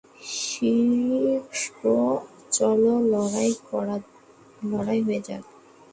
Six, চলো লড়াই হয়ে যাক!